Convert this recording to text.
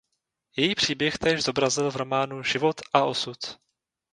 Její příběh též zobrazil v románu "Život a osud".